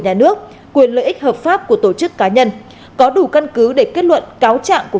nhà nước quyền lợi ích hợp pháp của tổ chức cá nhân có đủ căn cứ để kết luận cáo trạng của